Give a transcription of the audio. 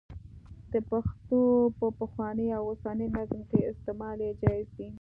د پښتو په پخواني او اوسني نظم کې استعمال یې جائز دی.